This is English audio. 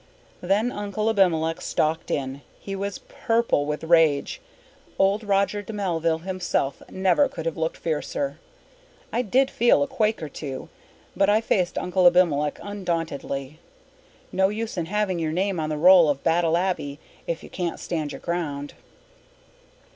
Then Uncle Abimelech stalked in. He was purple with rage. Old Roger de Melville himself never could have looked fiercer. I did feel a quake or two, but I faced Uncle Abimelech undauntedly. No use in having your name on the roll of Battle Abbey if you can't stand your ground.